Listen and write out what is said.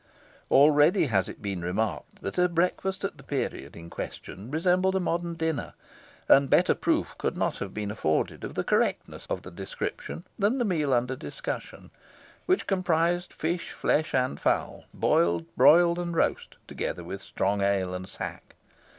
Already has it been remarked that a breakfast at the period in question resembled a modern dinner; and better proof could not have been afforded of the correctness of the description than the meal under discussion, which comprised fish, flesh, and fowl, boiled, broiled, and roast, together with strong ale and sack.